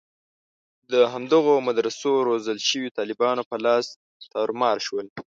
د همدغو مدرسو روزل شویو طالبانو په لاس تارومار شول.